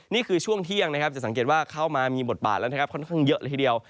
นี่คือช่วงเที่ยงนะครับจะสังเกตว่าเข้ามามีบทบาทแล้วนะครับค่อนข้างเยอะเลยทีเดียว